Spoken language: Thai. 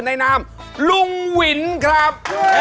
นามลุงวินครับ